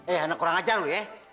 eh anak kurang ajar loh ya